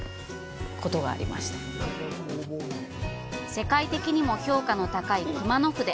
世界的にも評価の高い「熊野筆」。